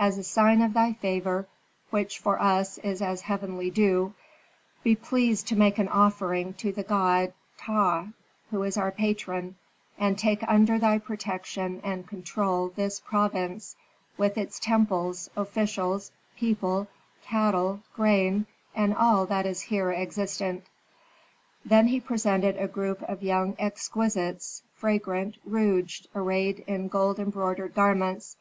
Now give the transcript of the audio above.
As a sign of thy favor, which for us is as heavenly dew, be pleased to make an offering to the god Ptah, who is our patron, and take under thy protection and control this province, with its temples, officials, people, cattle, grain, and all that is here existent." Then he presented a group of young exquisites, fragrant, rouged, arrayed in gold embroidered garments.